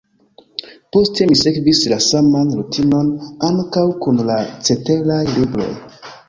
Poste mi sekvis la saman rutinon ankaŭ kun la ceteraj libroj.